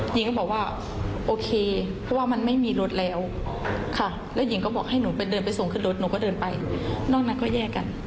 หญิงก็บอกว่าโอเคเพราะว่ามันไม่มีรถแล้วค่ะแล้วหญิงก็บอกให้หนูไปเดินไปส่งขึ้นรถหนูก็เดินไปนอกนั้นก็แยกกัน